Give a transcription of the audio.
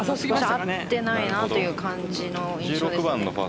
合ってないなという感じ印象ですね。